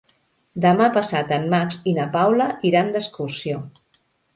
Demà passat en Max i na Paula iran d'excursió.